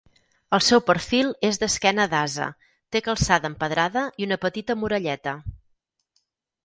El seu perfil és d'esquena d'ase, té calçada empedrada i una petita muralleta.